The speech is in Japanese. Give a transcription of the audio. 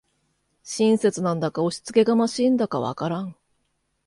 親切なんだか押しつけがましいんだかわからん